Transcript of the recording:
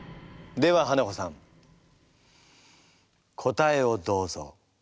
ではハナコさん答えをどうぞ。